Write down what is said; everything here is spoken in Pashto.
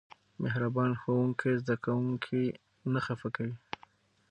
مهربان ښوونکی زده کوونکي نه خفه کوي.